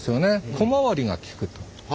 小回りが利く。